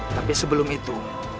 tapi sebelum itu